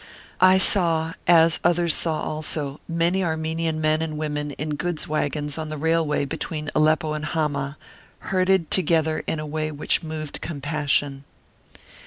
I saw, as others saw also, many Armenian men and women in goods wagons on the railway between Aleppo and Hamah, herded together in a way which moved compassion.